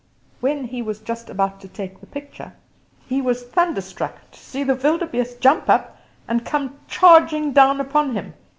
When he was just about to take the picture, he was thunderstruck to see the wildebeeste jump up and come charging down upon him.